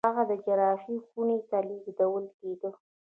هغه د جراحي خونې ته لېږدول کېده.